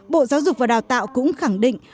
bộ giáo dục và đào tạo cũng khẳng định